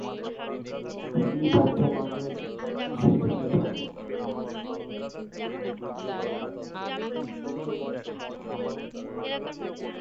তিনি বর্তমানে সেখানে থাকেন।